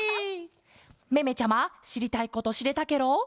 めめちゃましりたいことしれたケロ？